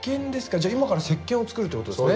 じゃ今から石けんを作るって事ですね？